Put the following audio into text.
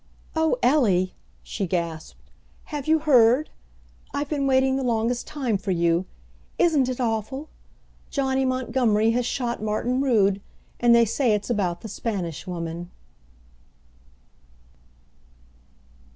"Oh, Ellie," she gasped, "have you heard? I've been waiting the longest time for you. Isn't it awful? Johnny Montgomery has shot Martin Rood, and they say it's about the Spanish Woman."